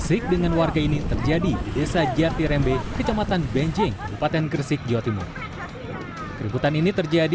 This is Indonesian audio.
seorang warga menjadi korban karena dikeroyok hingga babak belur